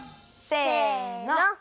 せの！